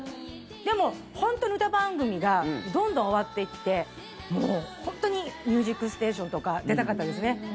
でも、本当に歌番組がどんどん終わっていってもう本当に「ミュージックステーション」とか出たかったですね。